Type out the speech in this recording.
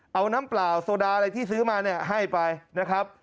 เอาน้ำเปล่าโซดาอะไรที่ซื้อมาเนี่ยให้ไปนะครับ